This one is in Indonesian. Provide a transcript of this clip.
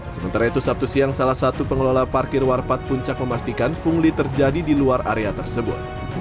sementara itu sabtu siang salah satu pengelola parkir warpat puncak memastikan pungli terjadi di luar area tersebut